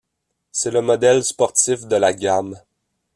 C'est le modèle sportif de la gamme.